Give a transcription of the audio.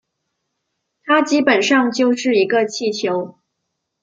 它基本上就是一个气球